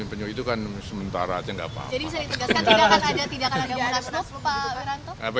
tidak akan ada munasluf